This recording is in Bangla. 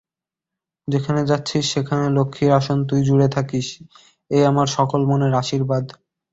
যেখানে যাচ্ছিস সেখানে লক্ষ্মীর আসন তুই জুড়ে থাকিস– এই আমার সকল মনের আশীর্বাদ।